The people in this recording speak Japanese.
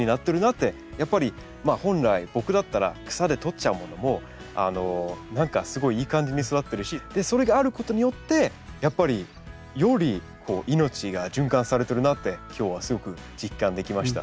やっぱり本来僕だったら草で取っちゃうものも何かすごいいい感じに育ってるしそれがあることによってやっぱりより命が循環されてるなって今日はすごく実感できました。